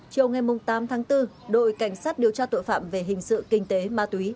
chiều ngày tám tháng bốn đội cảnh sát điều tra tội phạm về hình sự kinh tế ma túy